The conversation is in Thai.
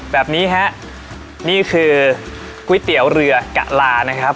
แบบนี้ฮะนี่คือก๋วยเตี๋ยวเรือกะลานะครับ